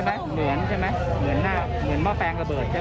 เหมือนใช่ไหมเหมือนหน้าเหมือนหม้อแปลงระเบิดใช่ไหม